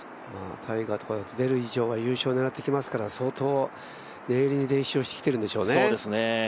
タイガーとかだと出る以上は優勝を狙ってきますから相当、念入りに練習をしてきてるんでしょうね。